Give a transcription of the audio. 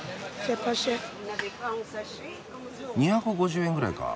２５０円ぐらいか。